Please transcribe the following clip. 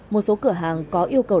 một số cửa hàng có yêu cầu